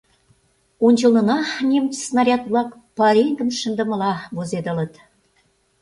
Ончылнына немыч снаряд-влак пареҥгым шындымыла возедылыт.